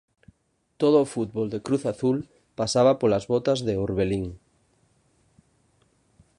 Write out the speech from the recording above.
Todo o fútbol de Cruz Azul pasaba polas botas de Orbelín.